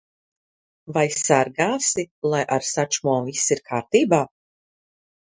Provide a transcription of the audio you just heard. Vai gādāsi, lai ar Sačmo viss ir kārtībā?